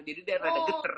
jadi agak geter